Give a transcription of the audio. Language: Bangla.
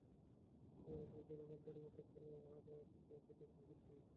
আমরা দুজন অনাথের মতো ছিলাম আবার বাঁচতে শিখছি।